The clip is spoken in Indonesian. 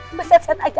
saya sehat sehat aja